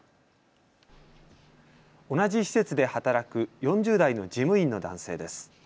同じ施設で働く４０代の事務員の男性です。